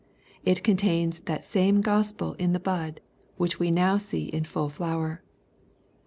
It contains that same Gospel in the bud, which we now see in fall flower.